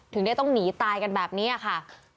ถึงได้ต้องหนีตายกันแบบนี้ค่ะ